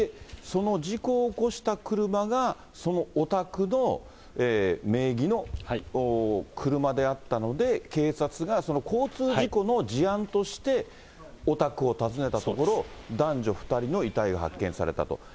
その事故を起こした車が、そのお宅の名義の車であったので、警察がその交通事故の事案としてお宅を訪ねたところ、男女２人の遺体が発見されたと。